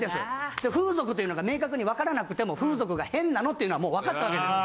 で風俗っていうのが明確にわからなくても風俗が変なのっていうのはもうわかったわけですよ。